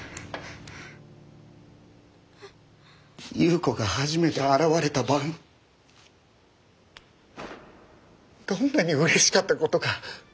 夕子が初めて現れた晩どんなにうれしかったことか。